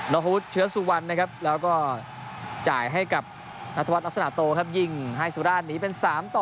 พุทธเชื้อสุวรรณนะครับแล้วก็จ่ายให้กับนัทวัฒนลักษณะโตครับยิงให้สุราชหนีเป็น๓ต่อ